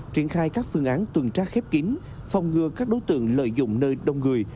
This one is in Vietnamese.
triển khai các phương án tuần tra khép kín phòng ngừa các đối tượng lợi dụng nơi đông người